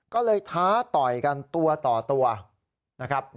ก็เลยท้าต่อยกันตัวต่อตัวนะครับ